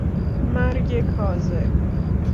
مرگ کاذب